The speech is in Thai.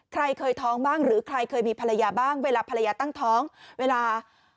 ใครเคยท้องบ้างหรือใครเคยมีภรรยาบ้างเวลาภรรยาตั้งท้องเวลา